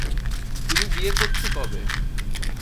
তুমি বিয়ে করছো কবে?